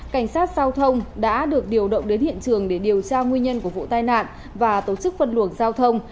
cảnh sát giao thông đã được điều động đến hiện trường để điều tra nguyên nhân của vụ tai nạn và tổ chức phân luồng giao thông